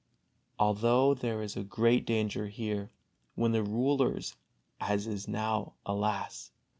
Although there is great danger here, when the rulers, as is now, alas!